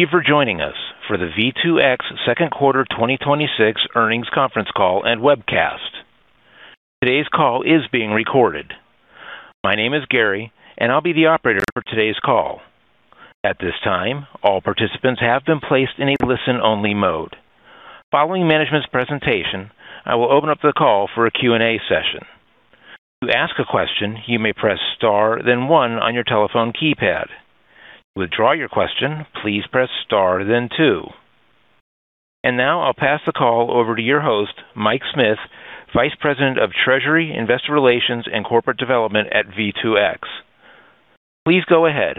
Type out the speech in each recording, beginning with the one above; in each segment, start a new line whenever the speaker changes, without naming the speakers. Thank you for joining us for the V2X second quarter 2026 earnings conference call and webcast. Today's call is being recorded. My name is Gary, and I'll be the operator for today's call. At this time, all participants have been placed in a listen-only mode. Following management's presentation, I will open up the call for a Q&A session. To ask a question, you may press star then one on your telephone keypad. To withdraw your question, please press star then two. And now I'll pass the call over to your host, Mike Smith, Vice President of Treasury, Investor Relations, and Corporate Development at V2X. Please go ahead.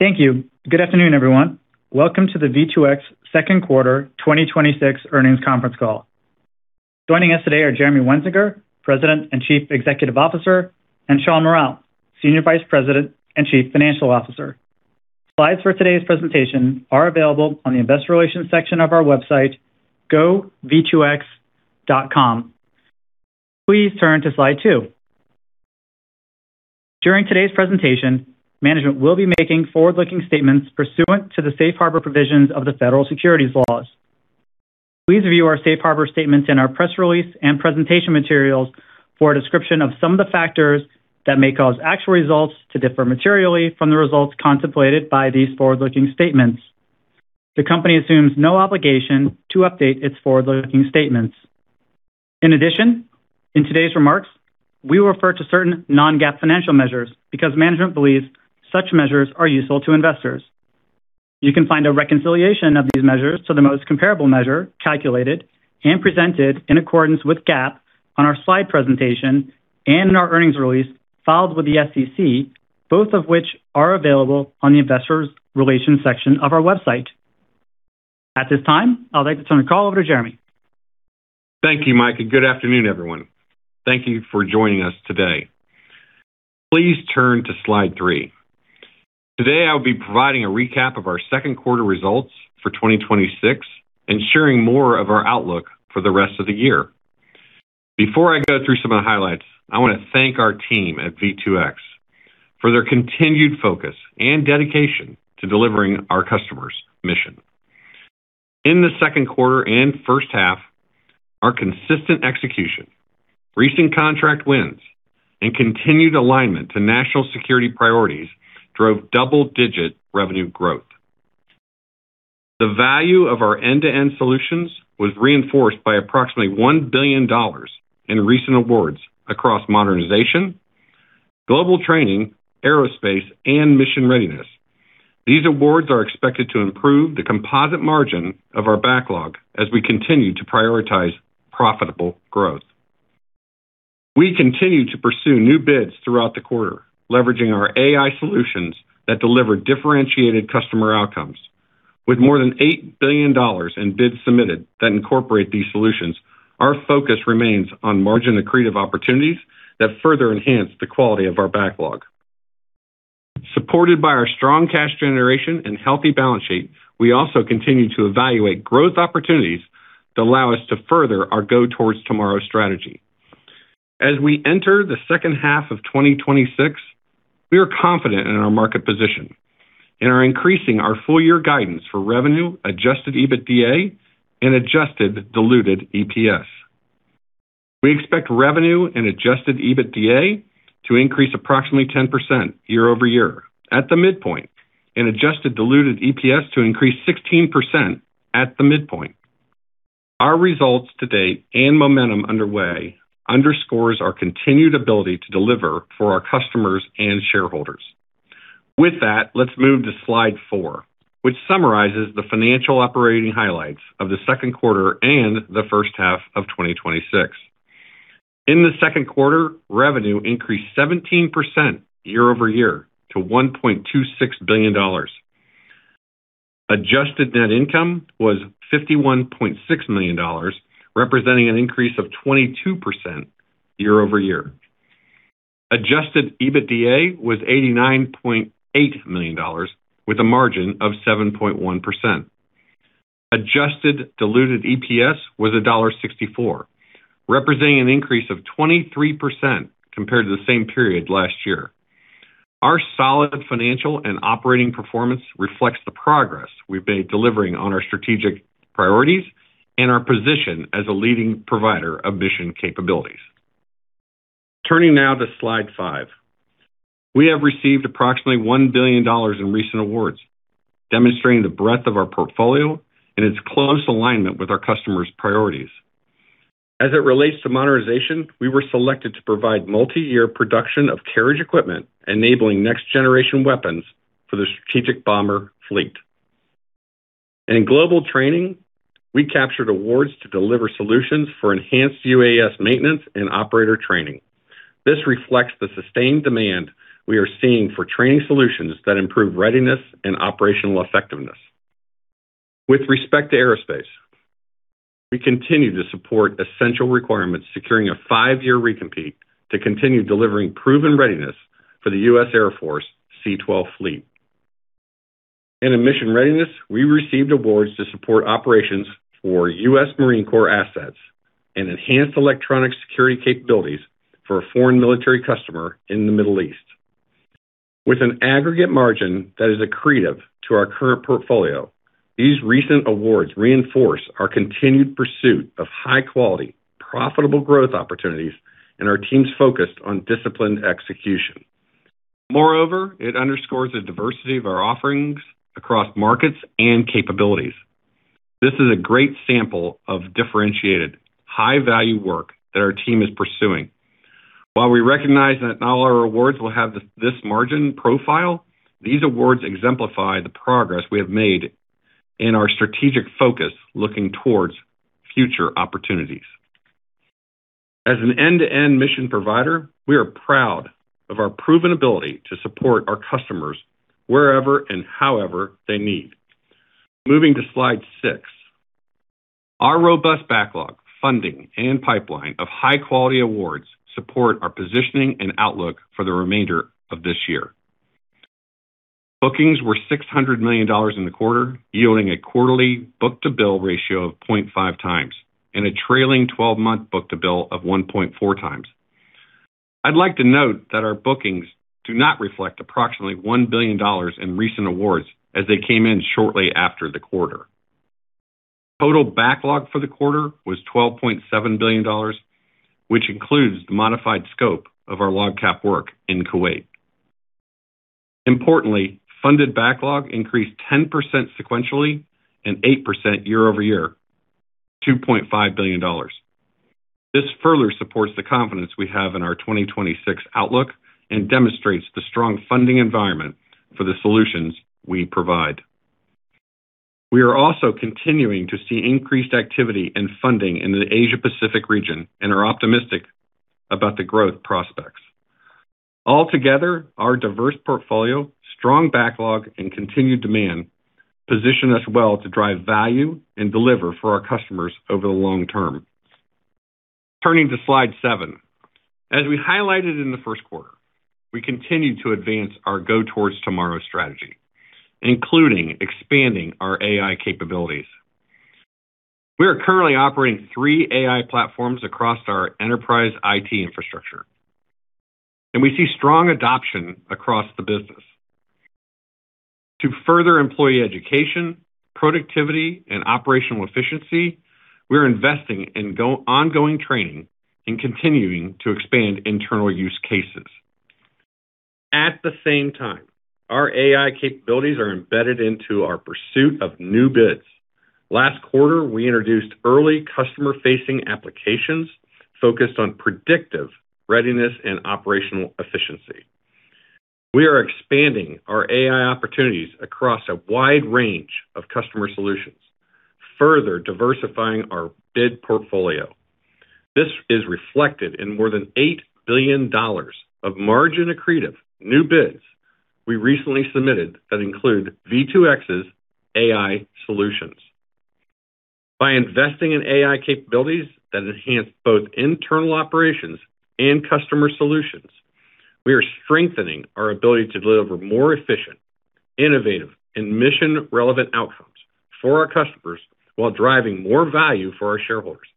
Thank you. Good afternoon, everyone. Welcome to the V2X second quarter 2026 earnings conference call. Joining us today are Jeremy Wensinger, President and Chief Executive Officer, and Shawn Mural, Senior Vice President and Chief Financial Officer. Slides for today's presentation are available on the Investor Relations section of our website, gov2x.com. Please turn to slide two. During today's presentation, management will be making forward-looking statements pursuant to the safe harbor provisions of the Federal Securities Laws. Please view our safe harbor statements in our press release and presentation materials for a description of some of the factors that may cause actual results to differ materially from the results contemplated by these forward-looking statements. The company assumes no obligation to update its forward-looking statements. In addition, in today's remarks, we will refer to certain non-GAAP financial measures because management believes such measures are useful to investors. You can find a reconciliation of these measures to the most comparable measure calculated and presented in accordance with GAAP on our slide presentation and in our earnings release filed with the SEC, both of which are available on the Investor Relations section of our website. At this time, I'd like to turn the call over to Jeremy.
Thank you, Mike, and good afternoon, everyone. Thank you for joining us today. Please turn to slide three. Today, I'll be providing a recap of our second quarter results for 2026 and sharing more of our outlook for the rest of the year. Before I go through some of the highlights, I want to thank our team at V2X for their continued focus and dedication to delivering our customers' mission. In the second quarter and first half, our consistent execution, recent contract wins, and continued alignment to national security priorities drove double-digit revenue growth. The value of our end-to-end solutions was reinforced by approximately $1 billion in recent awards across modernization, global training, aerospace, and mission readiness. These awards are expected to improve the composite margin of our backlog as we continue to prioritize profitable growth. We continued to pursue new bids throughout the quarter, leveraging our AI solutions that deliver differentiated customer outcomes. With more than $8 billion in bids submitted that incorporate these solutions, our focus remains on margin-accretive opportunities that further enhance the quality of our backlog. Supported by our strong cash generation and healthy balance sheet, we also continue to evaluate growth opportunities that allow us to further our Go Towards Tomorrow strategy. As we enter the second half of 2026, we are confident in our market position and are increasing our full year guidance for revenue, Adjusted EBITDA, and adjusted diluted EPS. We expect revenue and Adjusted EBITDA to increase approximately 10% year-over-year at the midpoint and adjusted diluted EPS to increase 16% at the midpoint. Our results to date and momentum underway underscores our continued ability to deliver for our customers and shareholders. Let's move to slide four, which summarizes the financial operating highlights of the second quarter and the first half of 2026. In the second quarter, revenue increased 17% year-over-year to $1.26 billion. Adjusted net income was $51.6 million, representing an increase of 22% year-over-year. Adjusted EBITDA was $89.8 million, with a margin of 7.1%. Adjusted diluted EPS was $1.64, representing an increase of 23% compared to the same period last year. Our solid financial and operating performance reflects the progress we've made delivering on our strategic priorities and our position as a leading provider of mission capabilities. Turning now to slide five. We have received approximately $1 billion in recent awards, demonstrating the breadth of our portfolio and its close alignment with our customers' priorities. As it relates to modernization, we were selected to provide multi-year production of carriage equipment, enabling next-generation weapons for the strategic bomber fleet. In global training, we captured awards to deliver solutions for enhanced UAS maintenance and operator training. This reflects the sustained demand we are seeing for training solutions that improve readiness and operational effectiveness. With respect to aerospace, we continue to support essential requirements, securing a five-year recompete to continue delivering proven readiness for the U.S. Air Force C-12 fleet. In mission readiness, we received awards to support operations for U.S. Marine Corps assets and enhanced electronic security capabilities for a foreign military customer in the Middle East. With an aggregate margin that is accretive to our current portfolio, these recent awards reinforce our continued pursuit of high-quality, profitable growth opportunities and our team's focus on disciplined execution. It underscores the diversity of our offerings across markets and capabilities. This is a great sample of differentiated, high-value work that our team is pursuing. While we recognize that not all our awards will have this margin profile, these awards exemplify the progress we have made in our strategic focus looking towards future opportunities. As an end-to-end mission provider, we are proud of our proven ability to support our customers wherever and however they need. Moving to slide six. Our robust backlog, funding, and pipeline of high-quality awards support our positioning and outlook for the remainder of this year. Bookings were $600 million in the quarter, yielding a quarterly book-to-bill ratio of 0.5x and a trailing 12-month book-to-bill of 1.4x. I'd like to note that our bookings do not reflect approximately $1 billion in recent awards as they came in shortly after the quarter. Total backlog for the quarter was $12.7 billion, which includes the modified scope of our LOGCAP work in Kuwait. Importantly, funded backlog increased 10% sequentially and 8% year-over-year to $2.5 billion. This further supports the confidence we have in our 2026 outlook and demonstrates the strong funding environment for the solutions we provide. We are also continuing to see increased activity and funding in the Asia-Pacific region and are optimistic about the growth prospects. Altogether, our diverse portfolio, strong backlog, and continued demand position us well to drive value and deliver for our customers over the long term. Turning to slide seven. As we highlighted in the first quarter, we continue to advance our Go Towards Tomorrow strategy, including expanding our AI capabilities. We are currently operating three AI platforms across our enterprise IT infrastructure, and we see strong adoption across the business. To further employee education, productivity, and operational efficiency, we're investing in ongoing training and continuing to expand internal use cases. At the same time, our AI capabilities are embedded into our pursuit of new bids. Last quarter, we introduced early customer-facing applications focused on predictive readiness and operational efficiency. We are expanding our AI opportunities across a wide range of customer solutions, further diversifying our bid portfolio. This is reflected in more than $8 billion of margin-accretive new bids we recently submitted that include V2X's AI solutions. By investing in AI capabilities that enhance both internal operations and customer solutions, we are strengthening our ability to deliver more efficient, innovative, and mission-relevant outcomes for our customers while driving more value for our shareholders.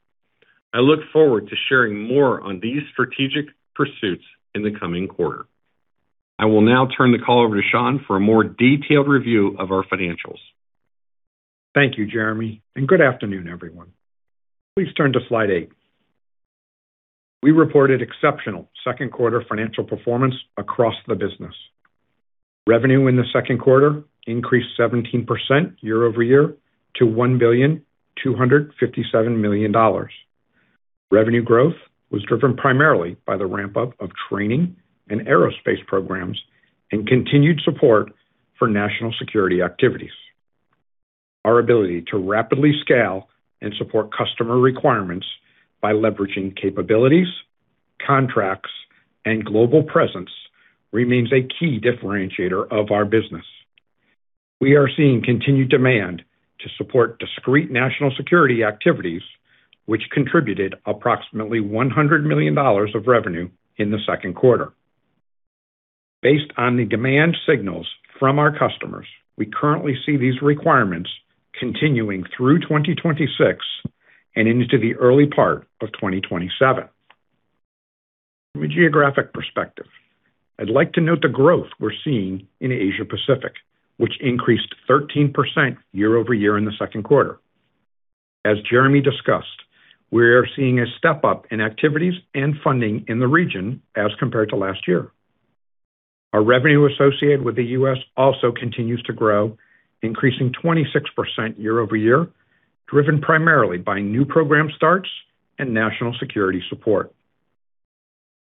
I look forward to sharing more on these strategic pursuits in the coming quarter. I will now turn the call over to Shawn for a more detailed review of our financials.
Thank you, Jeremy, and good afternoon, everyone. Please turn to slide eight. We reported exceptional second quarter financial performance across the business. Revenue in the second quarter increased 17% year-over-year to $1,257,000,000. Revenue growth was driven primarily by the ramp-up of training and aerospace programs and continued support for national security activities. Our ability to rapidly scale and support customer requirements by leveraging capabilities, contracts, and global presence remains a key differentiator of our business. We are seeing continued demand to support discrete national security activities, which contributed approximately $100 million of revenue in the second quarter. Based on the demand signals from our customers, we currently see these requirements continuing through 2026 and into the early part of 2027. From a geographic perspective, I'd like to note the growth we're seeing in Asia-Pacific, which increased 13% year-over-year in the second quarter. As Jeremy discussed, we are seeing a step-up in activities and funding in the region as compared to last year. Our revenue associated with the U.S. also continues to grow, increasing 26% year-over-year, driven primarily by new program starts and national security support.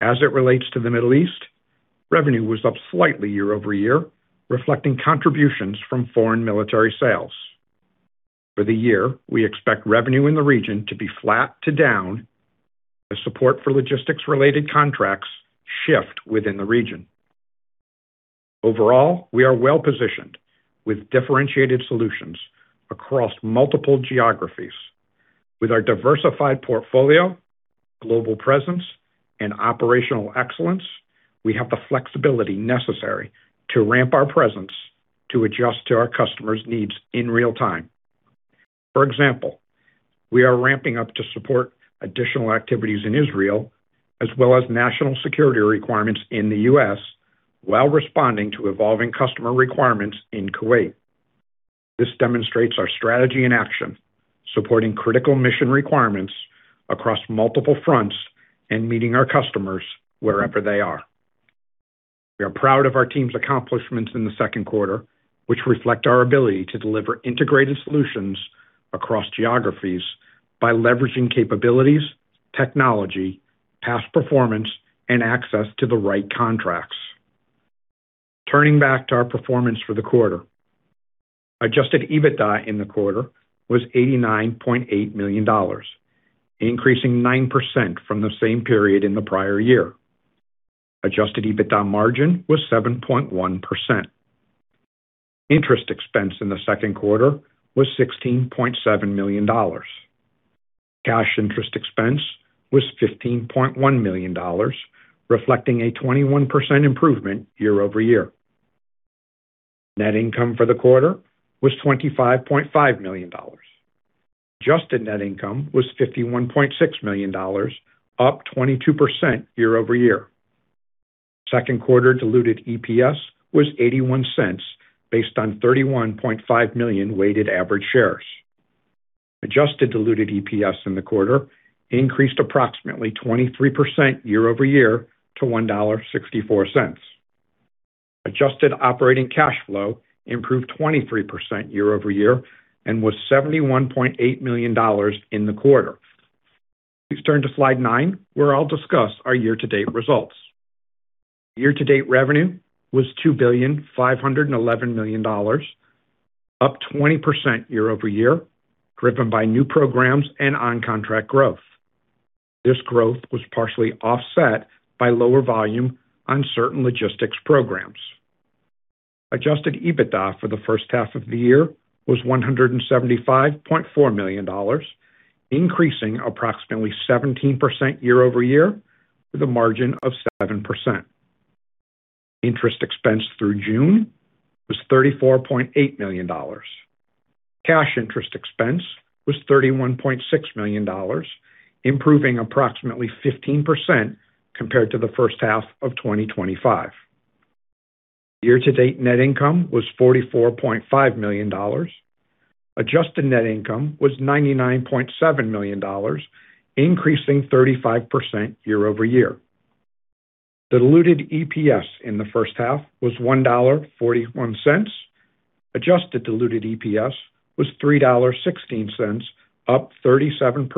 As it relates to the Middle East, revenue was up slightly year-over-year, reflecting contributions from foreign military sales. For the year, we expect revenue in the region to be flat to down as support for logistics-related contracts shift within the region. Overall, we are well-positioned with differentiated solutions across multiple geographies with our diversified portfolio, global presence, and operational excellence, we have the flexibility necessary to ramp our presence to adjust to our customers' needs in real time. For example, we are ramping up to support additional activities in Israel, as well as national security requirements in the U.S. while responding to evolving customer requirements in Kuwait. This demonstrates our strategy in action, supporting critical mission requirements across multiple fronts and meeting our customers wherever they are. We are proud of our team's accomplishments in the second quarter, which reflect our ability to deliver integrated solutions across geographies by leveraging capabilities, technology, past performance, and access to the right contracts. Turning back to our performance for the quarter. Adjusted EBITDA in the quarter was $89.8 million, increasing 9% from the same period in the prior year. Adjusted EBITDA margin was 7.1%. Interest expense in the second quarter was $16.7 million. Cash interest expense was $15.1 million, reflecting a 21% improvement year-over-year. Net income for the quarter was $25.5 million. Adjusted net income was $51.6 million, up 22% year-over-year. Second quarter diluted EPS was $0.81, based on 31.5 million weighted average shares. Adjusted diluted EPS in the quarter increased approximately 23% year-over-year to $1.64. Adjusted Operating Cash Flow improved 23% year-over-year and was $71.8 million in the quarter. Please turn to slide nine, where I'll discuss our year-to-date results. Year-to-date revenue was $2,511 million, up 20% year-over-year, driven by new programs and on-contract growth. This growth was partially offset by lower volume on certain logistics programs. Adjusted EBITDA for the first half of the year was $175.4 million, increasing approximately 17% year-over-year, with a margin of 7%. Interest expense through June was $34.8 million. Cash interest expense was $31.6 million, improving approximately 15% compared to the first half of 2025. Year-to-date net income was $44.5 million. Adjusted net income was $99.7 million, increasing 35% year-over-year. Diluted EPS in the first half was $1.41. Adjusted diluted EPS was $3.16, up 37%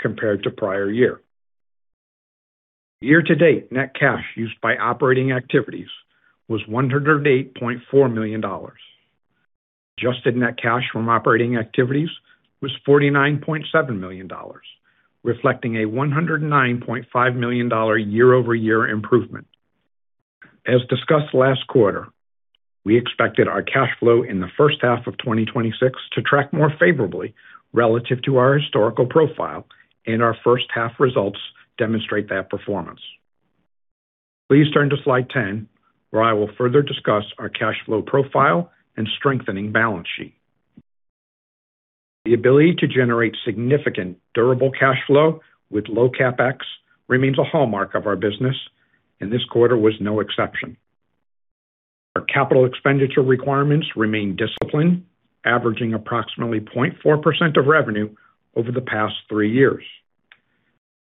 compared to prior year. Year-to-date net cash used by operating activities was $108.4 million. Adjusted net cash from operating activities was $49.7 million, reflecting a $109.5 million year-over-year improvement. As discussed last quarter, we expected our cash flow in the first half of 2026 to track more favorably relative to our historical profile, and our first half results demonstrate that performance. Please turn to slide 10, where I will further discuss our cash flow profile and strengthening balance sheet. The ability to generate significant durable cash flow with low CapEx remains a hallmark of our business, and this quarter was no exception. Our capital expenditure requirements remain disciplined, averaging approximately 0.4% of revenue over the past three years.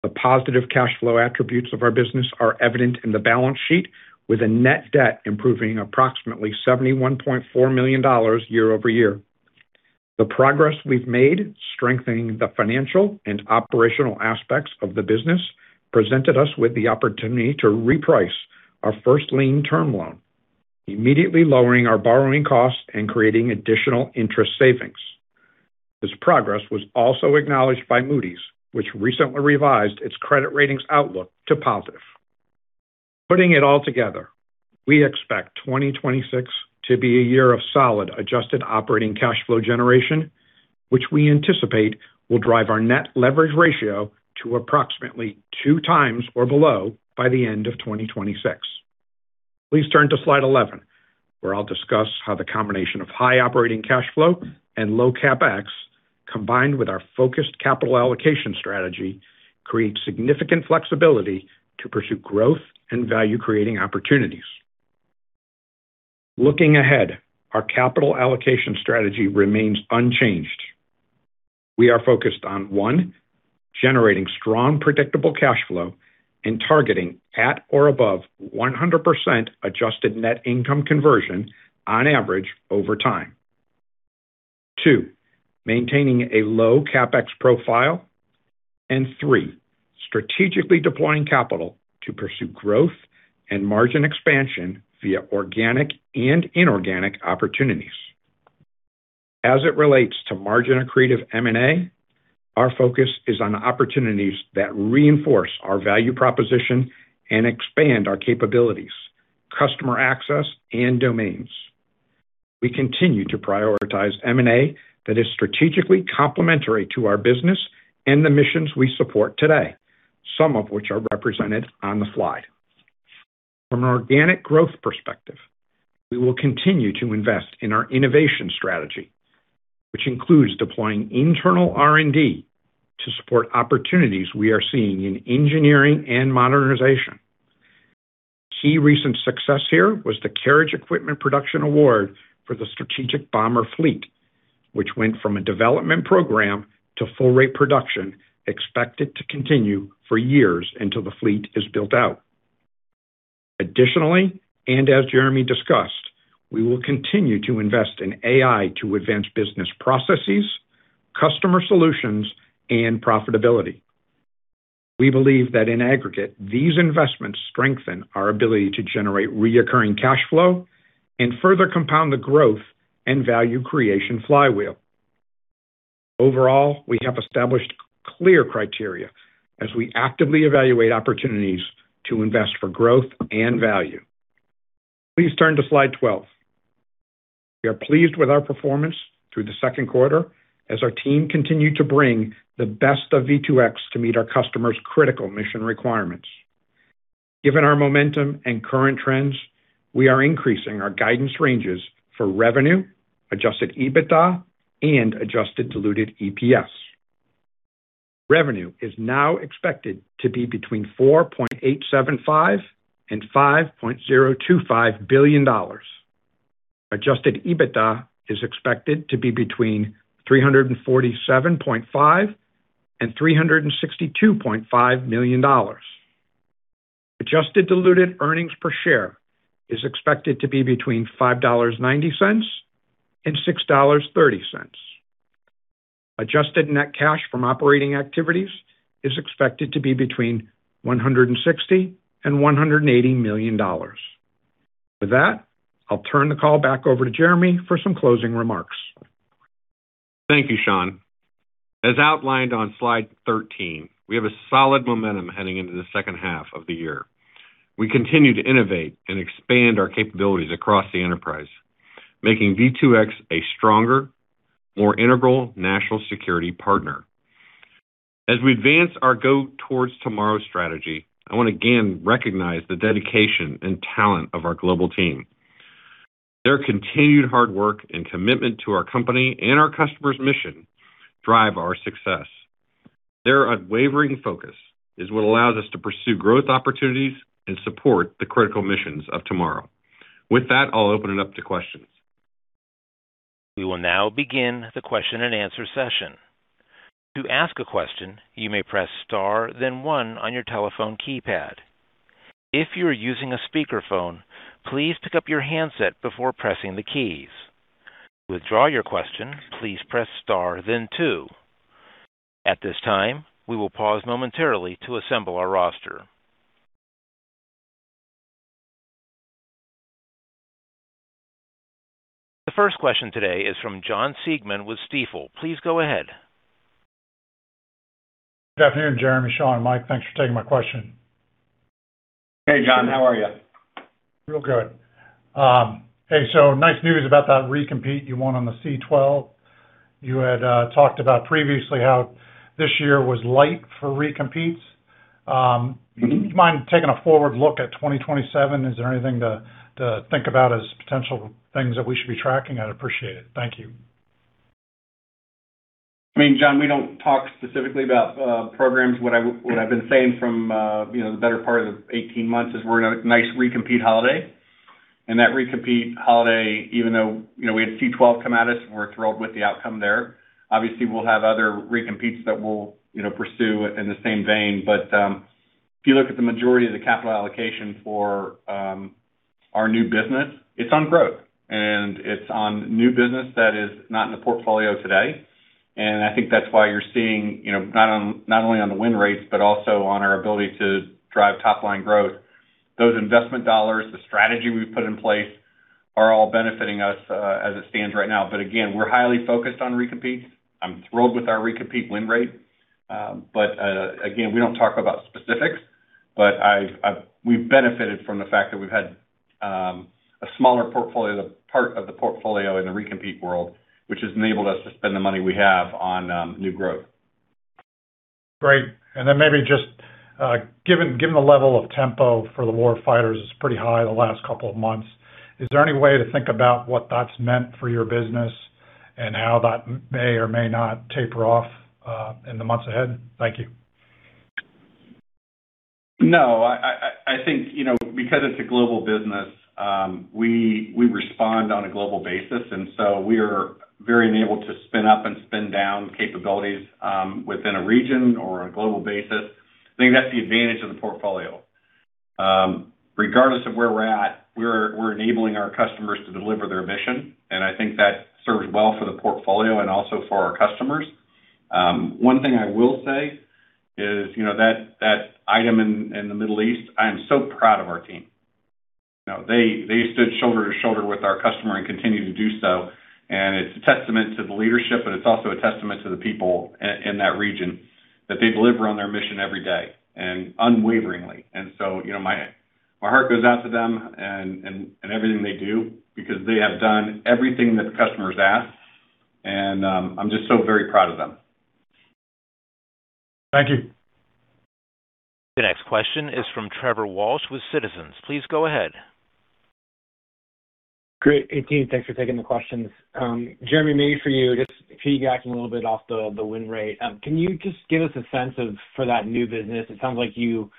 The positive cash flow attributes of our business are evident in the balance sheet, with a net debt improving approximately $71.4 million year-over-year. The progress we've made strengthening the financial and operational aspects of the business presented us with the opportunity to reprice our first lien term loan, immediately lowering our borrowing costs and creating additional interest savings. This progress was also acknowledged by Moody's, which recently revised its credit ratings outlook to positive. Putting it all together, we expect 2026 to be a year of solid Adjusted Operating Cash Flow generation, which we anticipate will drive our net leverage ratio to approximately 2x or below by the end of 2026. Please turn to slide 11, where I'll discuss how the combination of high operating cash flow and low CapEx, combined with our focused capital allocation strategy, creates significant flexibility to pursue growth and value-creating opportunities. Looking ahead, our capital allocation strategy remains unchanged. We are focused on, one, generating strong, predictable cash flow and targeting at or above 100% adjusted net income conversion on average over time. Two, maintaining a low CapEx profile. Three, strategically deploying capital to pursue growth and margin expansion via organic and inorganic opportunities. As it relates to margin-accretive M&A, our focus is on opportunities that reinforce our value proposition and expand our capabilities, customer access, and domains. We continue to prioritize M&A that is strategically complementary to our business and the missions we support today, some of which are represented on the slide. From an organic growth perspective, we will continue to invest in our innovation strategy, which includes deploying internal R&D to support opportunities we are seeing in engineering and modernization. Key recent success here was the carriage equipment production award for the strategic bomber fleet, which went from a development program to full rate production, expected to continue for years until the fleet is built out. Additionally, as Jeremy discussed, we will continue to invest in AI to advance business processes, customer solutions, and profitability. We believe that in aggregate, these investments strengthen our ability to generate recurring cash flow and further compound the growth and value creation flywheel. Overall, we have established clear criteria as we actively evaluate opportunities to invest for growth and value. Please turn to slide 12. We are pleased with our performance through the second quarter as our team continued to bring the best of V2X to meet our customers' critical mission requirements. Given our momentum and current trends, we are increasing our guidance ranges for revenue, Adjusted EBITDA, and adjusted diluted EPS. Revenue is now expected to be between $4.875 billion and $5.025 billion. Adjusted EBITDA is expected to be between $347.5 million and $362.5 million. Adjusted diluted earnings per share is expected to be between $5.90 and $6.30. Adjusted net cash from operating activities is expected to be between $160 million and $180 million. With that, I'll turn the call back over to Jeremy for some closing remarks.
Thank you, Shawn. As outlined on slide 13, we have a solid momentum heading into the second half of the year. We continue to innovate and expand our capabilities across the enterprise, making V2X a stronger, more integral national security partner. As we advance our Go Towards Tomorrow strategy, I want to again recognize the dedication and talent of our global team. Their continued hard work and commitment to our company and our customers' mission drive our success. Their unwavering focus is what allows us to pursue growth opportunities and support the critical missions of tomorrow. With that, I'll open it up to questions.
We will now begin the question and answer session. To ask a question, you may press star then one on your telephone keypad. If you are using a speakerphone, please pick up your handset before pressing the keys. To withdraw your question, please press star then two. At this time, we will pause momentarily to assemble our roster. The first question today is from Jon Siegmann with Stifel. Please go ahead.
Good afternoon, Jeremy, Shawn, Mike, thanks for taking my question.
Hey, Jon. How are you?
Real good. Hey, so nice news about that recompete you won on the C-12. You had talked about previously how this year was light for recompetes. Do you mind taking a forward look at 2027? Is there anything to think about as potential things that we should be tracking? I'd appreciate it. Thank you.
I mean, Jon, we don't talk specifically about programs. What I've been saying from the better part of the 18 months is we're in a nice recompete holiday. That recompete holiday, even though we had C-12 come at us, and we're thrilled with the outcome there, obviously we'll have other recompetes that we'll pursue in the same vein. If you look at the majority of the capital allocation for our new business, it's on growth. It's on new business that is not in the portfolio today. I think that's why you're seeing, not only on the win rates, but also on our ability to drive top-line growth. Those investment dollars, the strategy we've put in place, are all benefiting us as it stands right now. Again, we're highly focused on recompetes. I'm thrilled with our recompete win rate. Again, we don't talk about specifics, but we've benefited from the fact that we've had a smaller portfolio, the part of the portfolio in the recompete world, which has enabled us to spend the money we have on new growth.
Great. Maybe just given the level of tempo for the war fighters is pretty high the last couple of months, is there any way to think about what that's meant for your business and how that may or may not taper off in the months ahead? Thank you.
No. I think because it's a global business, we respond on a global basis. We are very enabled to spin up and spin down capabilities within a region or on a global basis. I think that's the advantage of the portfolio. Regardless of where we're at, we're enabling our customers to deliver their mission, and I think that serves well for the portfolio and also for our customers. One thing I will say is that item in the Middle East, I am so proud of our team. They stood shoulder to shoulder with our customer and continue to do so, and it's a testament to the leadership, but it's also a testament to the people in that region. That they deliver on their mission every day, and unwaveringly. My heart goes out to them in everything they do, because they have done everything that the customers ask, and I'm just so very proud of them.
Thank you.
The next question is from Trevor Walsh with Citizens. Please go ahead.
Great. Hey team, thanks for taking the questions. Jeremy, maybe for you, just piggybacking a little bit off the win rate. Can you just give us a sense of, for that new business, it sounds like you,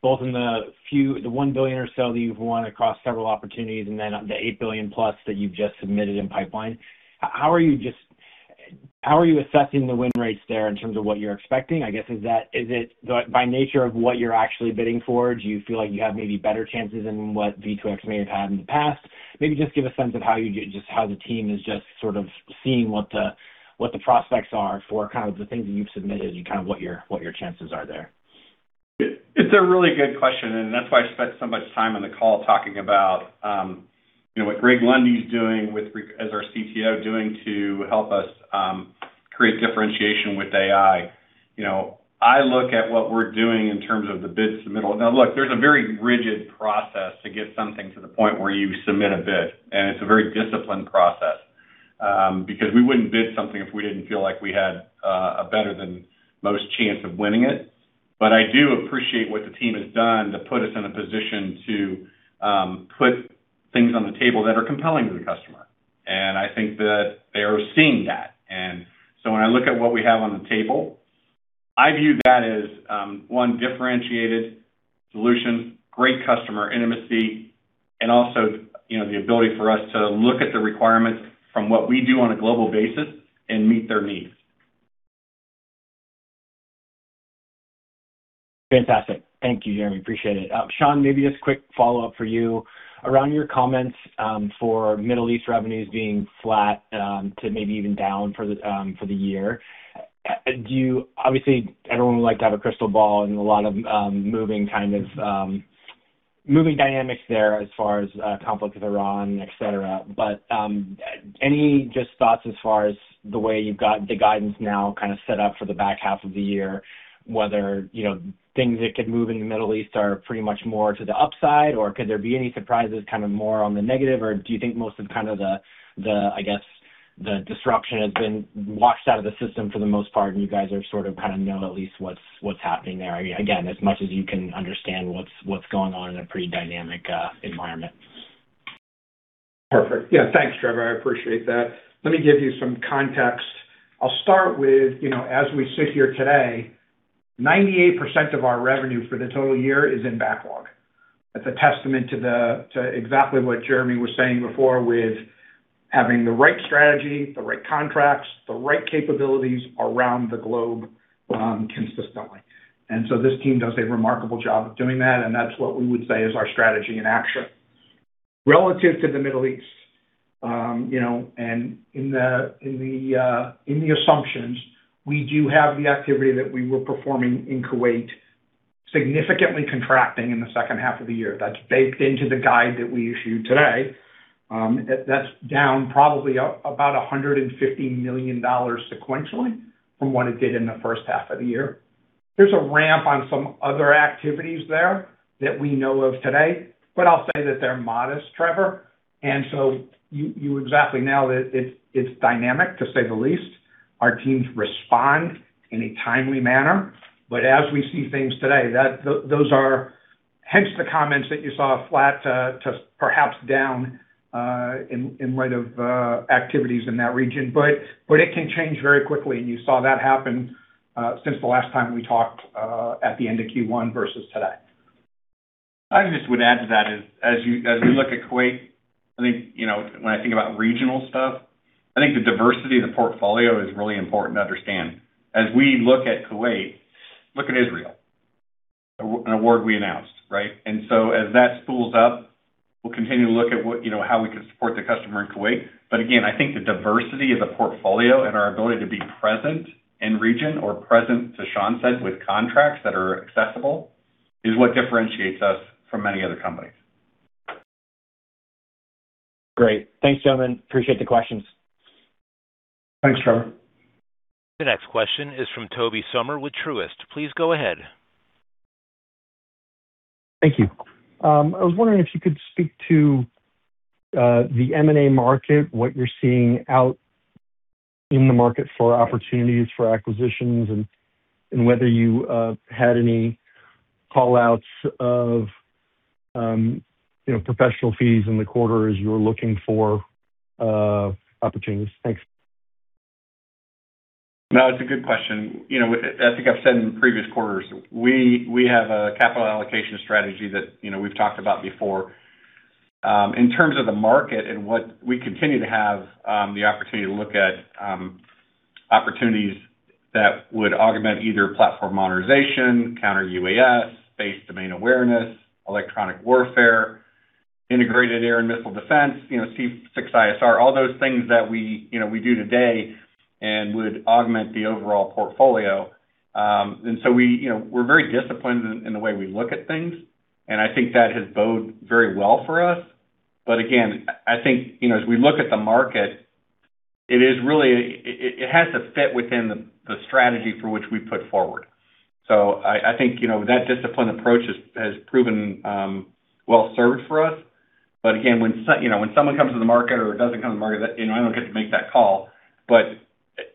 both in the $1 billion or so that you've won across several opportunities and then the $8 billion plus that you've just submitted in pipeline. How are you assessing the win rates there in terms of what you're expecting? I guess, is it by nature of what you're actually bidding for? Do you feel like you have maybe better chances than what V2X may have had in the past? Maybe just give a sense of just how the team is just sort of seeing what the prospects are for kind of the things that you've submitted and kind of what your chances are there.
It's a really good question. That's why I spent so much time on the call talking about what Greg Lundy's doing as our CTO, doing to help us create differentiation with AI. I look at what we're doing in terms of the bid submittal. Now, look, there's a very rigid process to get something to the point where you submit a bid, and it's a very disciplined process. Because we wouldn't bid something if we didn't feel like we had a better-than-most chance of winning it. I do appreciate what the team has done to put us in a position to put things on the table that are compelling to the customer, and I think that they are seeing that. When I look at what we have on the table, I view that as one differentiated solution, great customer intimacy, and also the ability for us to look at the requirements from what we do on a global basis and meet their needs.
Fantastic. Thank you, Jeremy. Appreciate it. Shawn, maybe just a quick follow-up for you around your comments for Middle East revenues being flat to maybe even down for the year. Obviously, everyone would like to have a crystal ball and a lot of moving kind of dynamics there as far as conflict with Iran, et cetera. Any just thoughts as far as the way you've got the guidance now kind of set up for the back half of the year, whether things that could move in the Middle East are pretty much more to the upside, or could there be any surprises kind of more on the negative? Do you think most of kind of the, I guess, the disruption has been washed out of the system for the most part, and you guys are sort of kind of know at least what's happening there? As much as you can understand what's going on in a pretty dynamic environment.
Perfect. Yeah. Thanks, Trevor. I appreciate that. Let me give you some context. I'll start with as we sit here today, 98% of our revenue for the total year is in backlog. That's a testament to exactly what Jeremy was saying before with having the right strategy, the right contracts, the right capabilities around the globe consistently. This team does a remarkable job of doing that, and that's what we would say is our strategy in action. Relative to the Middle East. In the assumptions, we do have the activity that we were performing in Kuwait significantly contracting in the second half of the year. That's baked into the guide that we issued today. That's down probably about $150 million sequentially from what it did in the first half of the year. There's a ramp on some other activities there that we know of today, but I'll say that they're modest, Trevor. You exactly nail it. It's dynamic, to say the least. Our teams respond in a timely manner. As we see things today, hence the comments that you saw, flat to perhaps down in light of activities in that region. It can change very quickly, and you saw that happen since the last time we talked at the end of Q1 versus today.
I just would add to that is as we look at Kuwait, when I think about regional stuff, I think the diversity of the portfolio is really important to understand. As we look at Kuwait, look at Israel, an award we announced, right? As that spools up, we'll continue to look at how we can support the customer in Kuwait. Again, I think the diversity of the portfolio and our ability to be present in region or present, as Shawn said, with contracts that are accessible is what differentiates us from many other companies.
Great. Thanks, gentlemen. Appreciate the questions.
Thanks, Trevor.
The next question is from Tobey Sommer with Truist. Please go ahead.
Thank you. I was wondering if you could speak to the M&A market, what you're seeing out in the market for opportunities for acquisitions, and whether you had any call-outs of professional fees in the quarter as you were looking for opportunities. Thanks.
It's a good question. I think I've said in previous quarters, we have a capital allocation strategy that we've talked about before. In terms of the market and what we continue to have the opportunity to look at opportunities that would augment either platform modernization, Counter-UAS, base domain awareness, electronic warfare, Integrated Air and Missile Defense, C6ISR. All those things that we do today and would augment the overall portfolio. We're very disciplined in the way we look at things, and I think that has bode very well for us. Again, I think as we look at the market, it has to fit within the strategy for which we put forward. I think that disciplined approach has proven well served for us. Again, when someone comes to the market or doesn't come to the market, I don't get to make that call.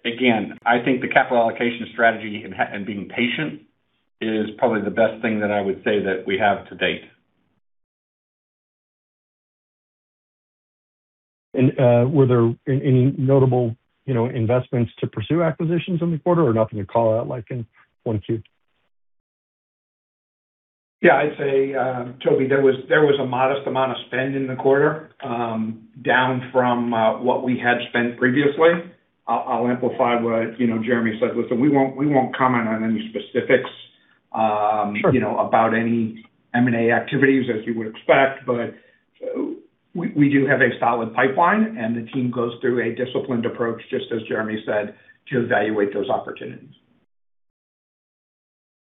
Again, I think the capital allocation strategy and being patient is probably the best thing that I would say that we have to date.
Were there any notable investments to pursue acquisitions in the quarter, or nothing to call out like in 1Q?
I'd say, Tobey, there was a modest amount of spend in the quarter, down from what we had spent previously. I'll amplify what Jeremy said. Listen, we won't comment on any specifics.
Sure
about any M&A activities, as you would expect. We do have a solid pipeline, and the team goes through a disciplined approach, just as Jeremy said, to evaluate those opportunities.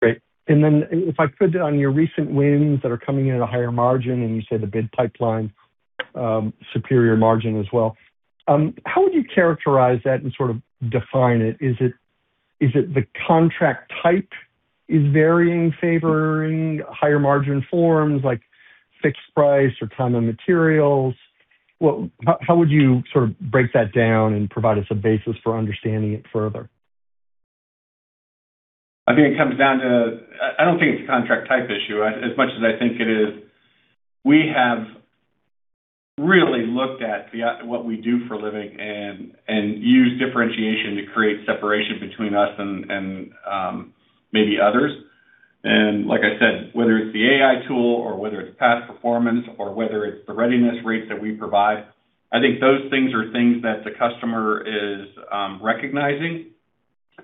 Great. If I could, on your recent wins that are coming in at a higher margin, and you said the bid pipeline, superior margin as well. How would you characterize that and sort of define it? Is it the contract type is varying, favoring higher margin forms like Fixed Price or Time and Materials? How would you sort of break that down and provide us a basis for understanding it further?
I think it comes down to, I don't think it's a contract type issue as much as I think it is, we have really looked at what we do for a living and use differentiation to create separation between us and maybe others. Like I said, whether it's the AI tool or whether it's past performance or whether it's the readiness rates that we provide, I think those things are things that the customer is recognizing,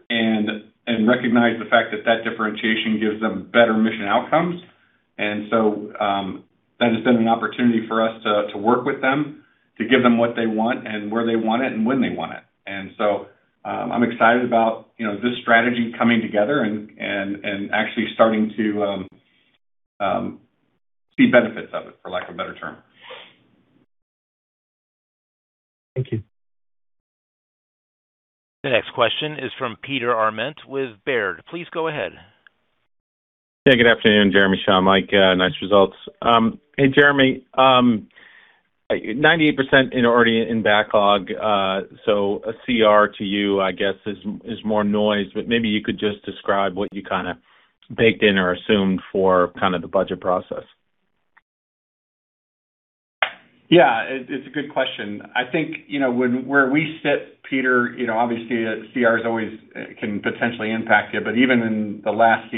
and recognize the fact that that differentiation gives them better mission outcomes. That has been an opportunity for us to work with them, to give them what they want and where they want it and when they want it. I'm excited about this strategy coming together and actually starting to see benefits of it, for lack of a better term.
Thank you.
The next question is from Peter Arment with Baird. Please go ahead.
Yeah, good afternoon, Jeremy, Shawn, Mike. Nice results. Hey, Jeremy, 98% already in backlog. A CR to you, I guess, is more noise. Maybe you could just describe what you kind of baked in or assumed for kind of the budget process.
Yeah. It's a good question. I think where we sit, Peter, obviously CRs always can potentially impact you. Even in the last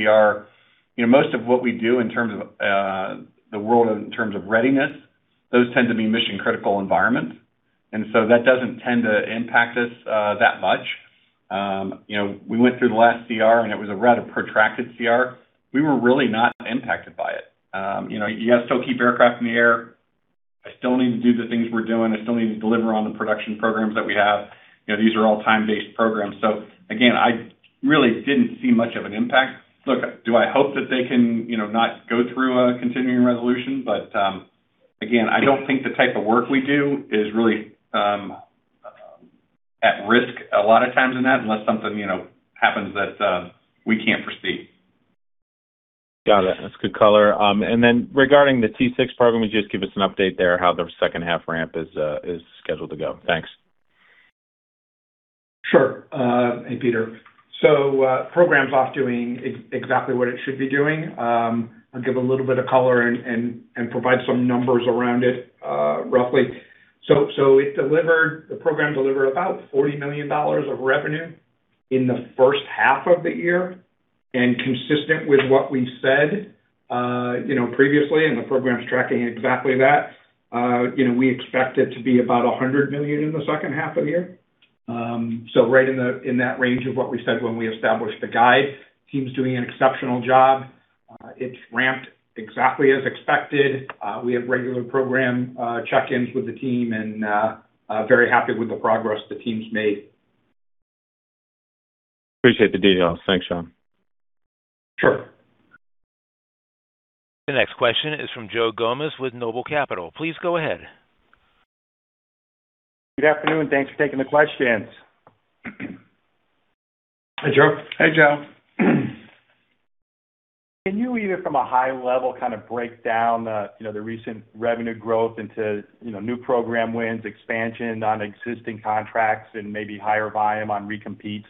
CR, most of what we do in terms of the world, in terms of readiness, those tend to be mission critical environments. That doesn't tend to impact us that much. We went through the last CR, and it was a rather protracted CR. We were really not impacted by it. You have to still keep aircraft in the air. I still need to do the things we're doing. I still need to deliver on the production programs that we have. These are all time-based programs. Again, I really didn't see much of an impact. Look, do I hope that they can not go through a continuing resolution? Again, I don't think the type of work we do is really at risk a lot of times in that, unless something happens that we can't proceed.
Got it. That's good color. Regarding the T-6 program, would you just give us an update there how the second half ramp is scheduled to go? Thanks.
Sure. Hey, Peter. Program's off doing exactly what it should be doing. I'll give a little bit of color and provide some numbers around it roughly. The program delivered about $40 million of revenue in the first half of the year. Consistent with what we said previously, the program's tracking exactly that, we expect it to be about $100 million in the second half of the year. Right in that range of what we said when we established the guide. Team's doing an exceptional job. It's ramped exactly as expected. We have regular program check-ins with the team and very happy with the progress the team's made.
Appreciate the details. Thanks, Shawn.
Sure.
The next question is from Joe Gomes with Noble Capital. Please go ahead.
Good afternoon, thanks for taking the questions.
Hey, Joe.
Hey, Joe.
Can you either from a high level, kind of break down the recent revenue growth into new program wins, expansion on existing contracts, and maybe higher volume on recompetes?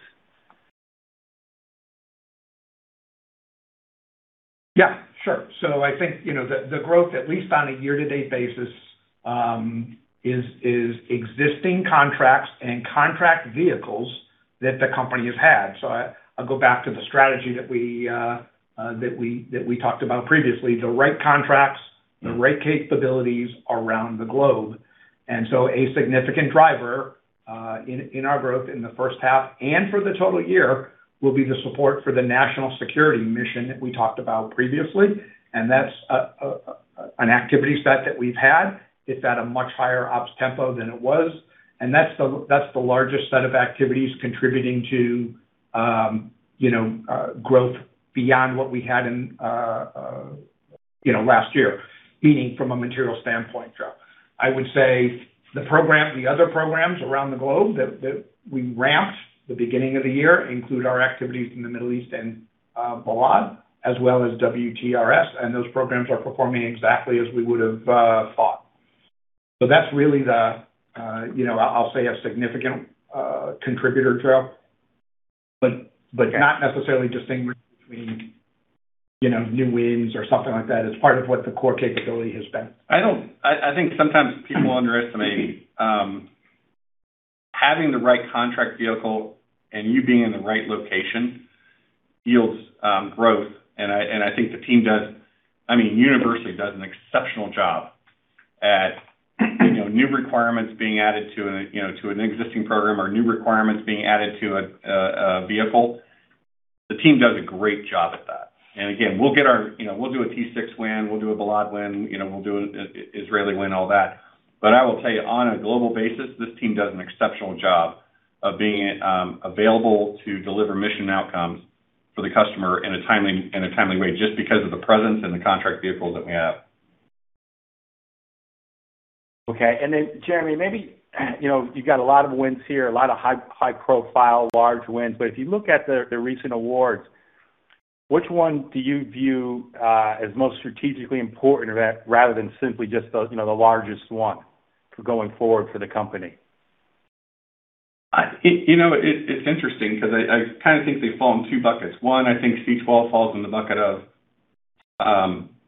Yeah, sure. I think, the growth, at least on a year-to-date basis, is existing contracts and contract vehicles that the company has had. I'll go back to the strategy that we talked about previously. The right contracts, the right capabilities around the globe. A significant driver, in our growth in the first half and for the total year, will be the support for the national security mission that we talked about previously. That's an activity set that we've had. It's at a much higher ops tempo than it was, and that's the largest set of activities contributing to growth beyond what we had in last year, meaning from a material standpoint, Joe. I would say the other programs around the globe that we ramped the beginning of the year include our activities in the Middle East and Balad, as well as WTRS. Those programs are performing exactly as we would've thought. That's really the, I'll say a significant contributor, Joe, but not necessarily distinguishing between new wins or something like that. It's part of what the core capability has been.
I think sometimes people underestimate having the right contract vehicle and you being in the right location yields growth. I think the team does, universally, does an exceptional job at new requirements being added to an existing program or new requirements being added to a vehicle. The team does a great job at that. Again, we'll do a T-6 win, we'll do a Balad win, we'll do an Israeli win, all that. I will tell you, on a global basis, this team does an exceptional job of being available to deliver mission outcomes for the customer in a timely way, just because of the presence and the contract vehicles that we have.
Okay. Jeremy, you've got a lot of wins here, a lot of high-profile, large wins. If you look at the recent awards, which one do you view as most strategically important rather than simply just the largest one for going forward for the company?
It's interesting because I kind of think they fall in two buckets. One, I think C-12 falls in the bucket of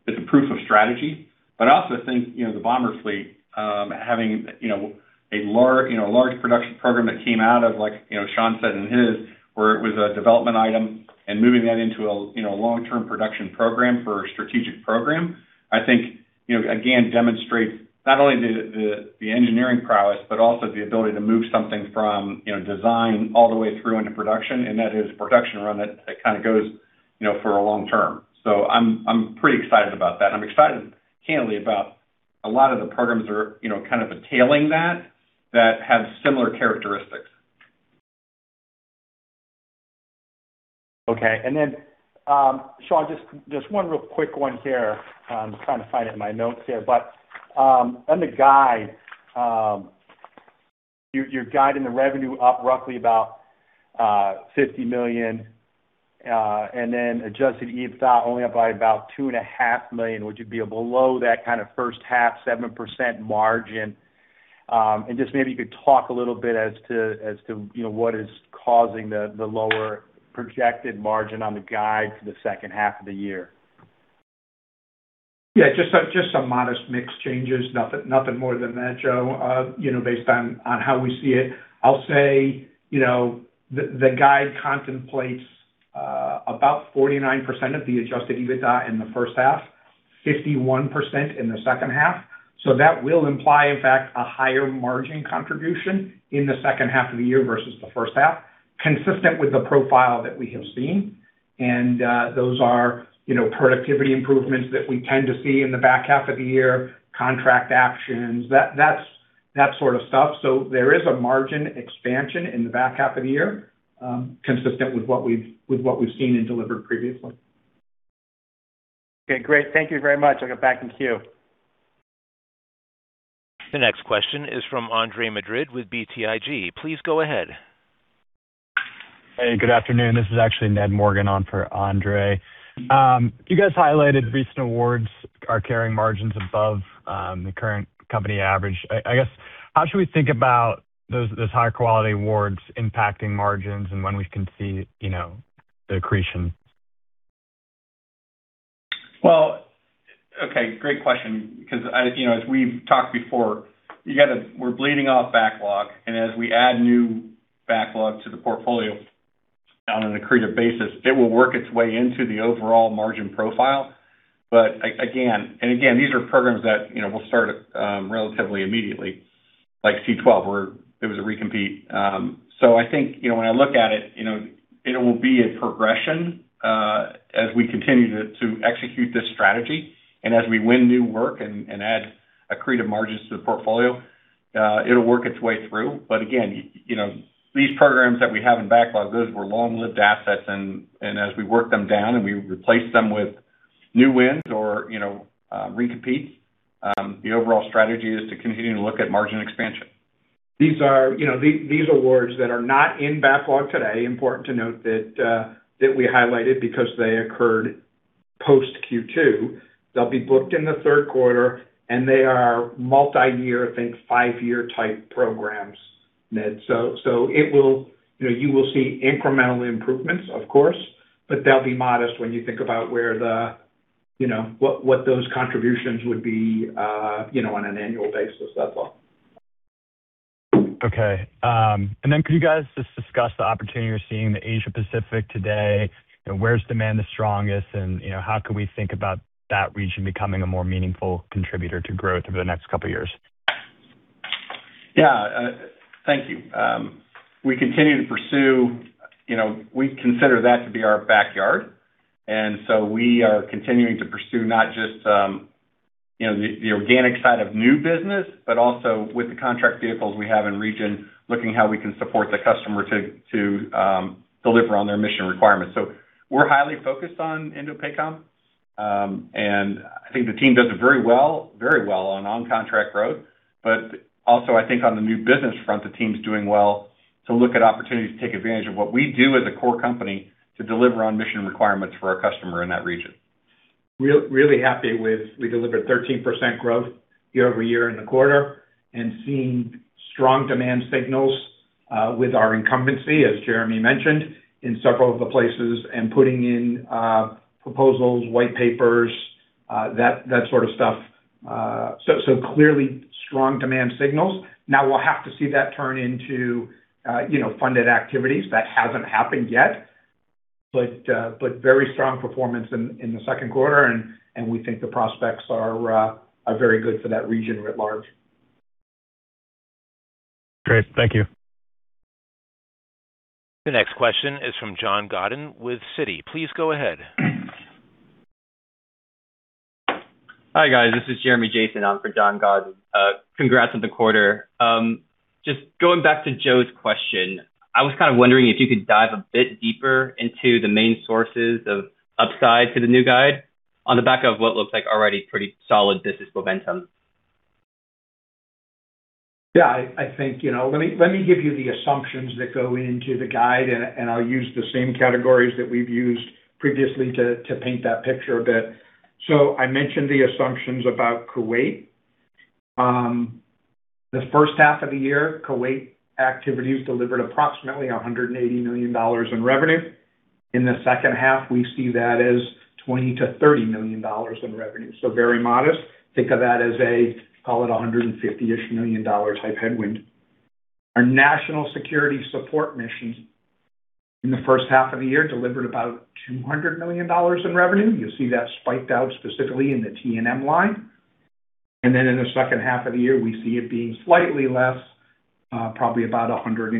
it's a proof of strategy. I also think the bomber fleet, having a large production program that came out of, like Shawn said in his, where it was a development item and moving that into a long-term production program for a strategic program. I think, again, demonstrates not only the engineering prowess, but also the ability to move something from design all the way through into production, and that is a production run that kind of goes for a long term. I'm pretty excited about that, and I'm excited candidly about a lot of the programs that are kind of tailing that have similar characteristics.
Okay. Shawn, just one real quick one here. I'm trying to find it in my notes here. On the guide, you're guiding the revenue up roughly about $50 million, Adjusted EBITDA only up by about $2.5 million, which would be below that kind of first half, 7% margin. Just maybe you could talk a little bit as to what is causing the lower projected margin on the guide for the second half of the year.
Yeah, just some modest mix changes. Nothing more than that, Joe. Based on how we see it. I'll say the guide contemplates about 49% of the Adjusted EBITDA in the first half, 51% in the second half. That will imply, in fact, a higher margin contribution in the second half of the year versus the first half, consistent with the profile that we have seen. Those are productivity improvements that we tend to see in the back half of the year, contract actions, that sort of stuff. There is a margin expansion in the back half of the year, consistent with what we've seen and delivered previously.
Okay, great. Thank you very much. I'll get back in queue.
The next question is from Andre Madrid with BTIG. Please go ahead.
Hey, good afternoon. This is actually Ned Morgan on for Andre. You guys highlighted recent awards are carrying margins above the current company average. I guess, how should we think about those high-quality awards impacting margins and when we can see the accretion?
Well, okay, great question. As we've talked before, we're bleeding off backlog, and as we add new backlog to the portfolio on an accretive basis, it will work its way into the overall margin profile. Again, these are programs that will start relatively immediately, like C-12, where it was a recompete. I think when I look at it will be a progression as we continue to execute this strategy. As we win new work and add accretive margins to the portfolio, it'll work its way through. Again, these programs that we have in backlog, those were long-lived assets and as we work them down and we replace them with new wins or recompetes, the overall strategy is to continue to look at margin expansion.
These are awards that are not in backlog today, important to note that we highlighted because they occurred post Q2. They'll be booked in the third quarter, and they are multi-year, think five-year type programs, Ned. You will see incremental improvements, of course, but they'll be modest when you think about what those contributions would be on an annual basis. That's all.
Okay. Could you guys just discuss the opportunity you're seeing in the Asia Pacific today? Where's demand the strongest, and how could we think about that region becoming a more meaningful contributor to growth over the next couple of years?
Yeah. Thank you. We consider that to be our backyard. We are continuing to pursue not just the organic side of new business, but also with the contract vehicles we have in region, looking how we can support the customer to deliver on their mission requirements. We're highly focused on INDOPACOM, and I think the team does it very well on contract road. I think on the new business front, the team's doing well to look at opportunities to take advantage of what we do as a core company to deliver on mission requirements for our customer in that region.
We're really happy with, we delivered 13% growth year-over-year in the quarter, and seeing strong demand signals with our incumbency, as Jeremy mentioned, in several of the places, and putting in proposals, white papers, that sort of stuff. Clearly strong demand signals. Now we'll have to see that turn into funded activities. That hasn't happened yet. Very strong performance in the second quarter, and we think the prospects are very good for that region writ large.
Great. Thank you.
The next question is from John Godden with Citi. Please go ahead.
Hi, guys. This is Jeremy Jason on for John Godden. Congrats on the quarter. Just going back to Joe's question, I was kind of wondering if you could dive a bit deeper into the main sources of upside to the new guide on the back of what looks like already pretty solid business momentum.
Yeah, let me give you the assumptions that go into the guide. I'll use the same categories that we've used previously to paint that picture a bit. I mentioned the assumptions about Kuwait. The first half of the year, Kuwait activities delivered approximately $180 million in revenue. In the second half, we see that as $20 million-$30 million in revenue. Very modest. Think of that as a, call it $150 million-ish type headwind. Our national security support missions in the first half of the year delivered about $200 million in revenue. You'll see that spiked out specifically in the T&M line. In the second half of the year, we see it being slightly less, probably about $180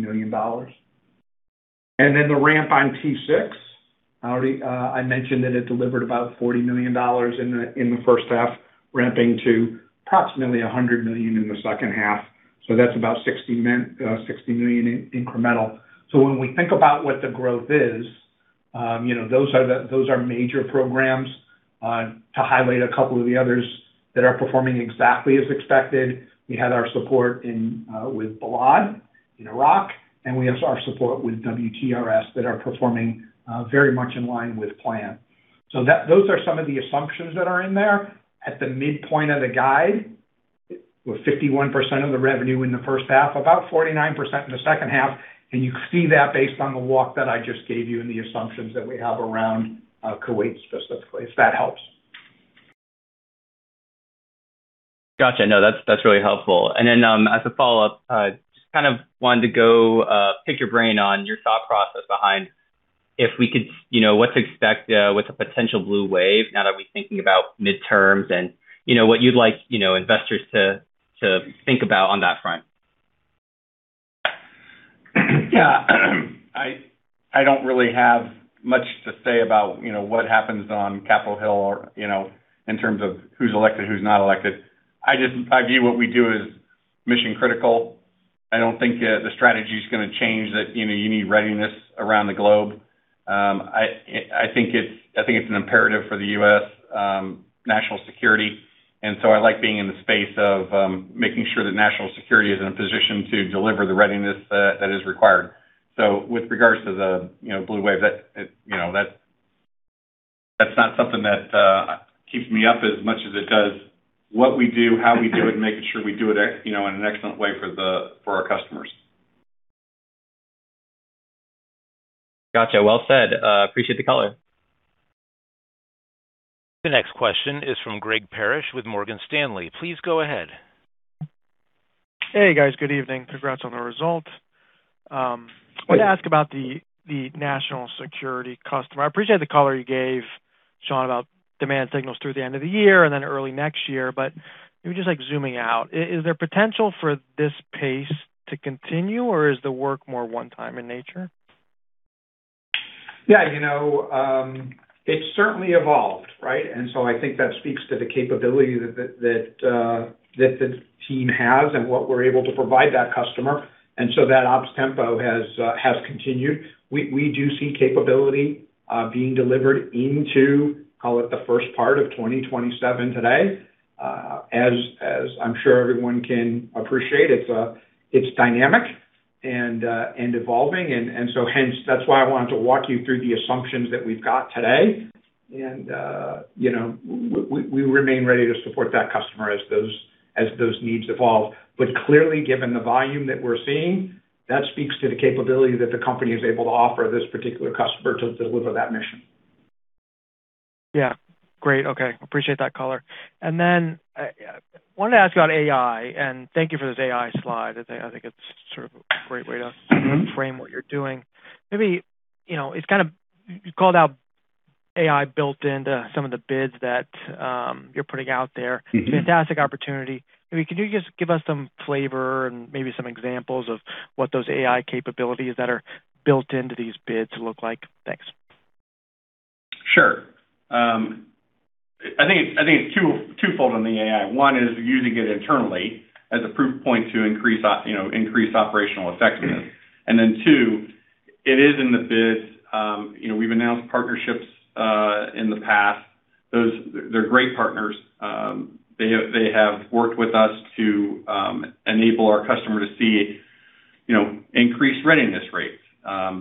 million. I mentioned that it delivered about $40 million in the first half, ramping to approximately $100 million in the second half. That's about $60 million incremental. When we think about what the growth is, those are major programs. To highlight a couple of the others that are performing exactly as expected, we had our support with Balad in Iraq, and we have our support with WTRS that are performing very much in line with plan. Those are some of the assumptions that are in there. At the midpoint of the guide, with 51% of the revenue in the first half, about 49% in the second half. You see that based on the walk that I just gave you and the assumptions that we have around Kuwait specifically, if that helps.
Gotcha. That's really helpful. As a follow-up, just kind of wanted to go pick your brain on your thought process behind what to expect with a potential blue wave now that we're thinking about midterms and what you'd like investors to think about on that front.
Yeah. I don't really have much to say about what happens on Capitol Hill or in terms of who's elected, who's not elected. I view what we do as mission critical. I don't think the strategy's going to change that you need readiness around the globe. I think it's an imperative for the U.S. national security. I like being in the space of making sure that national security is in a position to deliver the readiness that is required. With regards to the blue wave, that's not something that keeps me up as much as it does what we do, how we do it, and making sure we do it in an excellent way for our customers.
Gotcha. Well said. Appreciate the color.
The next question is from Greg Parrish with Morgan Stanley. Please go ahead.
Hey, guys. Good evening. Congrats on the result. Wanted to ask about the national security customer. I appreciate the color you gave, Shawn, about demand signals through the end of the year early next year, maybe just zooming out. Is there potential for this pace to continue, or is the work more one time in nature?
Yeah. It's certainly evolved, right? So I think that speaks to the capability that the team has and what we're able to provide that customer. That ops tempo has continued. We do see capability being delivered into, call it, the first part of 2027 today. As I'm sure everyone can appreciate, it's dynamic and evolving. Hence, that's why I wanted to walk you through the assumptions that we've got today. We remain ready to support that customer as those needs evolve. Clearly, given the volume that we're seeing, that speaks to the capability that the company is able to offer this particular customer to deliver that mission.
Yeah. Great. Okay. Appreciate that color. I wanted to ask about AI, thank you for this AI slide. I think it's sort of a great way to frame what you're doing. You called out AI built into some of the bids that you're putting out there. Fantastic opportunity. Maybe could you just give us some flavor and maybe some examples of what those AI capabilities that are built into these bids look like? Thanks.
Sure. I think it's twofold on the AI. One is using it internally as a proof point to increase operational effectiveness. Two, it is in the bids. We've announced partnerships in the past. They're great partners. They have worked with us to enable our customer to see increased readiness rates,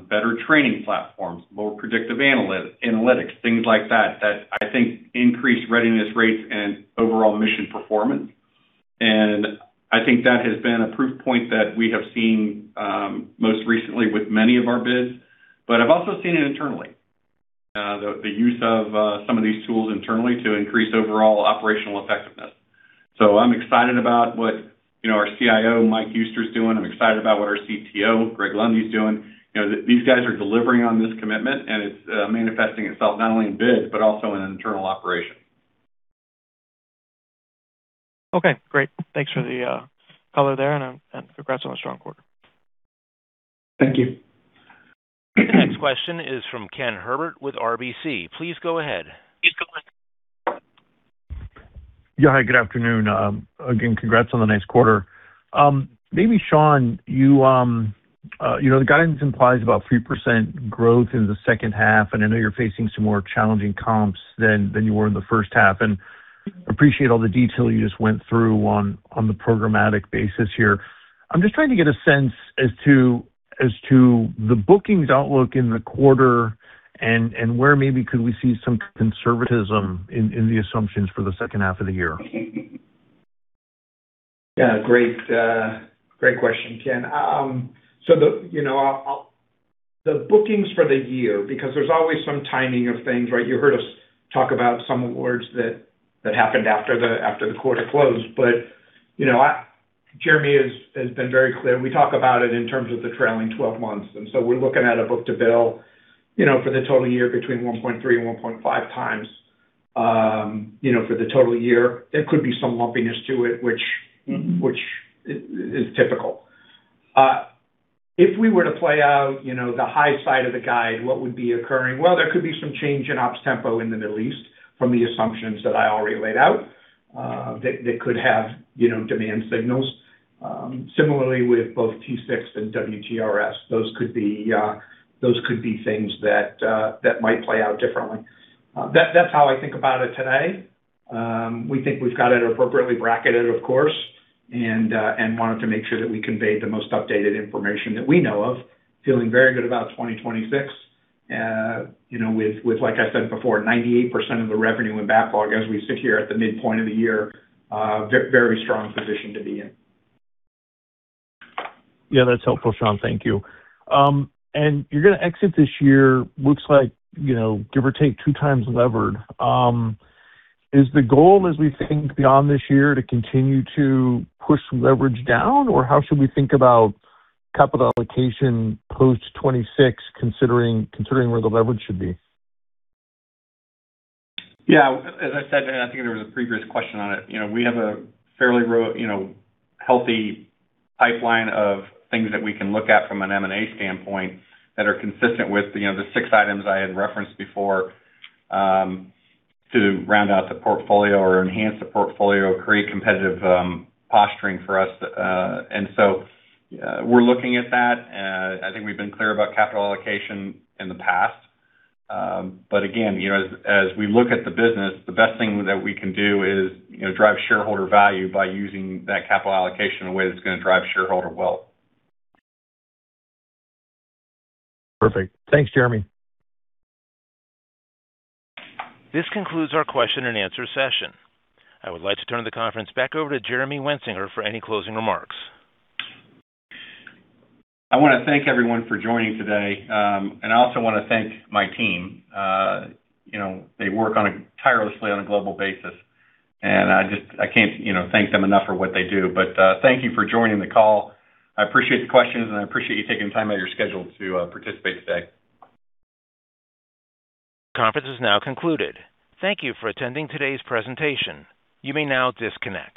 better training platforms, more predictive analytics, things like that I think increase readiness rates and overall mission performance. I think that has been a proof point that we have seen most recently with many of our bids. I've also seen it internally, the use of some of these tools internally to increase overall operational effectiveness. I'm excited about what our CIO, Mike Uster, is doing. I'm excited about what our CTO, Greg Lundy, is doing. These guys are delivering on this commitment, and it's manifesting itself not only in bids but also in internal operation.
Okay, great. Thanks for the color there, and congrats on a strong quarter.
Thank you.
The next question is from Ken Herbert with RBC. Please go ahead.
Please go ahead.
Yeah, hi, good afternoon. Again, congrats on the nice quarter. Maybe, Shawn, the guidance implies about 3% growth in the second half, and I know you're facing some more challenging comps than you were in the first half. Appreciate all the detail you just went through on the programmatic basis here. I'm just trying to get a sense as to the bookings outlook in the quarter and where maybe could we see some conservatism in the assumptions for the second half of the year?
Yeah. Great question, Ken. The bookings for the year, because there's always some timing of things, right? You heard us talk about some awards that happened after the quarter closed. Jeremy has been very clear. We talk about it in terms of the trailing 12 months. So we're looking at a book-to-bill for the total year between 1.3x and 1.5x for the total year. There could be some lumpiness to it. is typical. If we were to play out the high side of the guide, what would be occurring? Well, there could be some change in ops tempo in the Middle East from the assumptions that I already laid out. That could have demand signals. Similarly with both T-6 and WTRS. Those could be things that might play out differently. That's how I think about it today. We think we've got it appropriately bracketed, of course, and wanted to make sure that we conveyed the most updated information that we know of. Feeling very good about 2026. With, like I said before, 98% of the revenue and backlog as we sit here at the midpoint of the year. Very strong position to be in.
Yeah, that's helpful, Shawn. Thank you. You're going to exit this year, looks like, give or take 2 times levered. Is the goal as we think beyond this year to continue to push leverage down? Or how should we think about capital allocation post 2026, considering where the leverage should be?
Yeah, as I said, I think there was a previous question on it. We have a fairly healthy pipeline of things that we can look at from an M&A standpoint that are consistent with the six items I had referenced before to round out the portfolio or enhance the portfolio, create competitive posturing for us. We're looking at that. I think we've been clear about capital allocation in the past. Again, as we look at the business, the best thing that we can do is drive shareholder value by using that capital allocation in a way that's going to drive shareholder wealth.
Perfect. Thanks, Jeremy.
This concludes our question and answer session. I would like to turn the conference back over to Jeremy Wensinger for any closing remarks.
I want to thank everyone for joining today. I also want to thank my team. They work tirelessly on a global basis, and I can't thank them enough for what they do. Thank you for joining the call. I appreciate the questions, and I appreciate you taking time out of your schedule to participate today.
Conference is now concluded. Thank you for attending today's presentation. You may now disconnect.